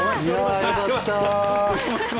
良かった。